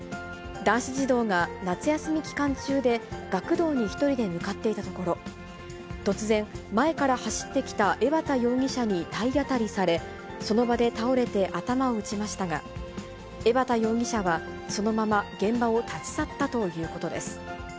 男子児童が夏休み期間中で、学童に１人で向かっていたところ、突然、前から走ってきた江幡容疑者に体当たりされ、その場で倒れて頭を打ちましたが、江幡容疑者はそのまま現場を立ち去ったということです。